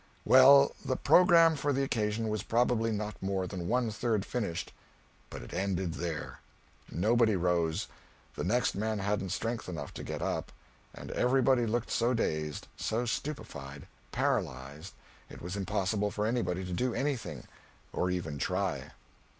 Well, the programme for the occasion was probably not more than one third finished, but it ended there. Nobody rose. The next man hadn't strength enough to get up, and everybody looked so dazed, so stupefied, paralyzed, it was impossible for anybody to do anything, or even try.